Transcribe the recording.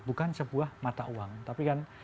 bukan sebuah mata uang tapi kan